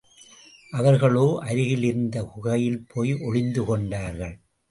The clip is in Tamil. அவர்களோ அருகில் இருந்த குகையில் போய் ஒளிந்து கொண்டார்கள்.